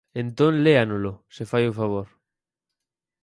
Entón léanolo, se fai o favor.